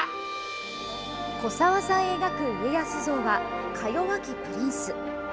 古沢さん描く家康像はかよわきプリンス。